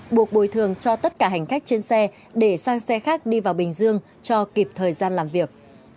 buộc bồi thường cho tất cả hành khách trên xe để sang xe khác đi vào bình dương cho kịp thời gian làm việc